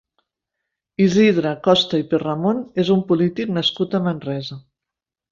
Isidre Costa i Perramon és un polític nascut a Manresa.